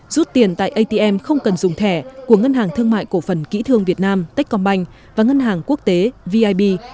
rút tiền tại atm không cần dùng thẻ của ngân hàng thương mại cổ phần kỹ thương việt nam techcombank và ngân hàng quốc tế vib